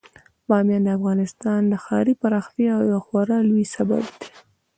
بامیان د افغانستان د ښاري پراختیا یو خورا لوی سبب دی.